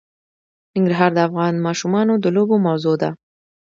ننګرهار د افغان ماشومانو د لوبو موضوع ده.